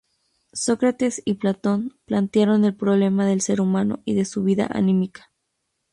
Sócrates y Platón plantearon el problema del ser humano y de su vida anímica.